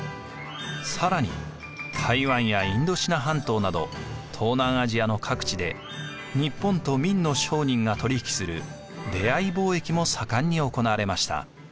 更に台湾やインドシナ半島など東南アジアの各地で日本と明の商人が取り引きする出会貿易も盛んに行われました。